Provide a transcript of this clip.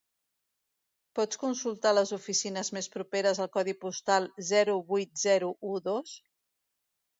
Pots consultar les oficines més properes al codi postal zero vuit zero u dos?